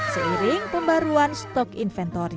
seiring pembaruan stok inventori